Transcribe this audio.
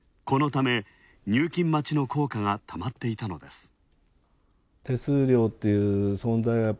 このため入金待ちの硬貨がたまっていたのです。